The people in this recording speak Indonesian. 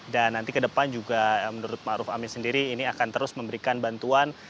dan nanti ke depan juga menurut ma'ruf amin sendiri ini akan terus memberikan bantuan